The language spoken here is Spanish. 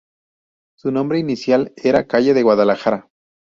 Su nombre inicial era calle de Guadalajara.